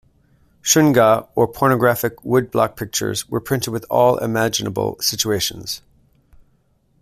Shunga or pornographic wood-block pictures were printed with all imaginable situations.